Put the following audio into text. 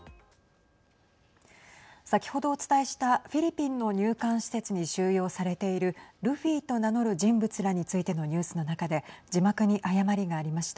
先ほどお伝えしたフィリピンの入管施設に収容されているルフィと名乗る人物らについてのニュースの中で字幕に誤りがありました。